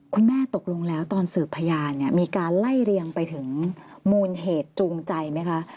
คุณแม่ตกลงแล้วตอนสืบพยานเนี่ยมีการไล่เรียงไปถึงมูลเหตุจูงใจไหมคะ